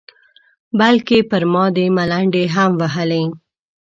بلکې پر ما دې ملنډې هم وهلې.